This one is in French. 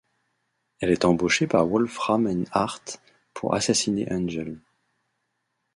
Elle est embauchée par Wolfram & Hart pour assassiner Angel.